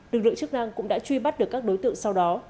lực lượng chức năng cũng đã truy bắt được các đối tượng sau đó